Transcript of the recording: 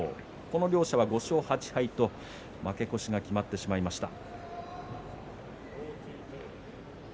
この両者は５勝８敗と負け越しが決まってしまいました。